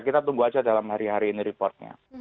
kita tunggu aja dalam hari hari ini reportnya